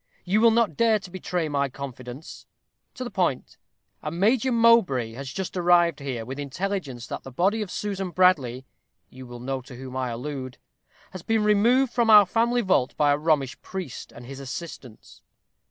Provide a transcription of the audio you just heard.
You will not dare to betray my confidence. To the point: A Major Mowbray has just arrived here with intelligence that the body of Susan Bradley you will know to whom I allude has been removed from our family vault by a Romish priest and his assistants.